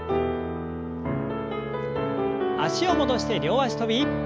脚を戻して両脚跳び。